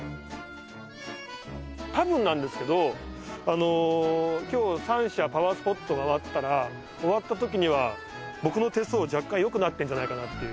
たぶんなんですけど今日３社パワースポット回ったら終わったときには僕の手相若干よくなってるんじゃないかなっていう。